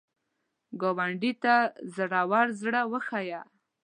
ګاونډي ته زړور زړه وښیه